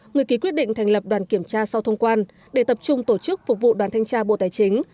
người ký quyết định thành lập đoàn kiểm tra sau thông quan để tập trung tổ chức phục vụ đoàn thanh tra bộ tài chính